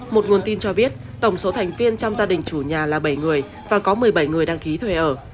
một nguồn tin cho biết tổng số thành viên trong gia đình chủ nhà là bảy người và có một mươi bảy người đăng ký thuê ở